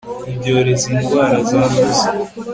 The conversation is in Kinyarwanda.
ibyorezo indwara zanduza